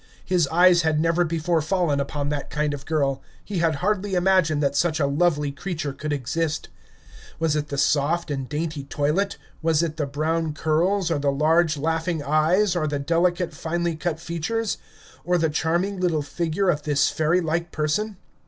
His eyes had never before fallen upon that kind of girl; he had hardly imagined that such a lovely creature could exist. Was it the soft and dainty toilet, was it the brown curls, or the large laughing eyes, or the delicate, finely cut features, or the charming little figure of this fairy like person?